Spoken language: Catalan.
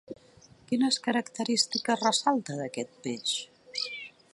Quines característiques ressalta d'aquest peix?